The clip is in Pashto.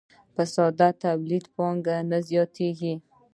په ساده تولید کې پانګه نه زیاتېږي